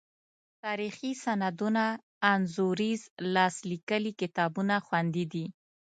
تاریخي سندونه، انځوریز لاس لیکلي کتابونه خوندي دي.